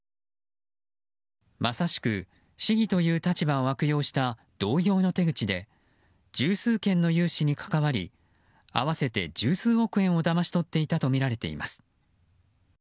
まさしく市議という立場を悪用した同様の手口で十数件の融資に関わり合わせて十数億円をだまし取っていたとみられています。